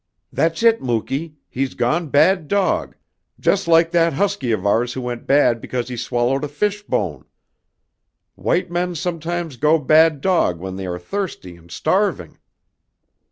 "That's it, Muky he's gone bad dog, just like that husky of ours who went bad because he swallowed a fish bone. White men sometimes go bad dog when they are thirsty and starving!"